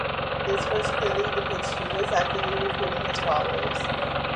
This verse clearly depicts Jesus' actively recruiting his followers.